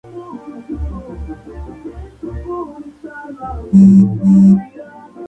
La piel del dorso es lisa y la región del canto rostral afilado.